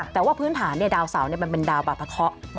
แต่ว่าพื้นฐานดาวเสามันเป็นดาวบาปะเคาะ